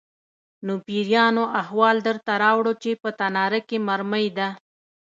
_نو پېريانو احوال درته راووړ چې په تناره کې مرمۍ ده؟